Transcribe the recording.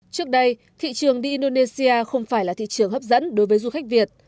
trước đây thị trường đi indonesia không phải là thị trường hấp dẫn đối với du khách việt